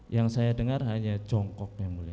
yang saya dengar hanya jongkok yang mulia